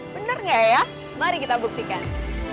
benar nggak ya mari kita buktikan